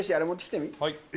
はい。